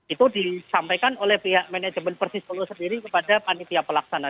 itu disampaikan oleh pihak manajemen persis solo sendiri kepada panitia pelaksana